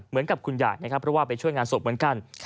เหมือนกับคุณยายนะครับเพราะว่าไปช่วยงานศพเหมือนกัน